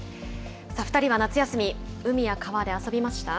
２人は夏休み、海や川で遊びました？